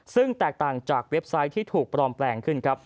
ซึ่งแตกต่างจากเว็บไซต์ที่ถูกปลอมแปลงขึ้นครับ